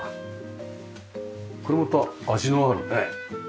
これまた味のあるね。